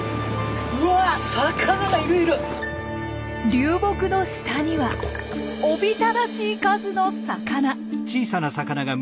流木の下にはおびただしい数の魚。